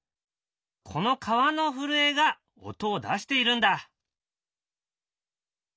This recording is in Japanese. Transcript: この皮の震えが音を出しているんだ。